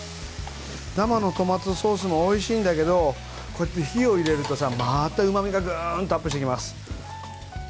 生のトマトソースもおいしいんだけどこうやって火を入れるとまたうまみがグーンとアップしていきます。